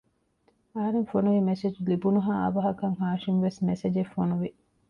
އަހަރެން ފޮނުވި މެސެޖް ލިބުނުހާ އަވަހަކަށް ހާޝިމްވެސް މެސެޖެއް ފޮނުވި